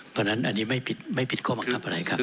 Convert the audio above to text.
เพราะฉะนั้นอันนี้ไม่ผิดข้อบังคับอะไรครับ